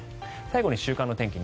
最後に週間の天気